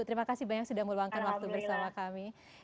terima kasih banyak sudah meluangkan waktu bersama kami